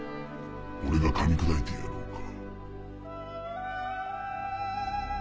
俺が噛み砕いてやろうか？